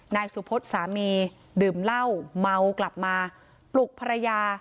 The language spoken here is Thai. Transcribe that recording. นายสุพศสามีดื่มเหล้าเมากลับมาปลุกภรรยา